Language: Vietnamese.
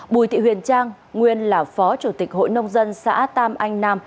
bùi thị huyền trang nguyên là phó chủ tịch hội nông dân xã tam anh nam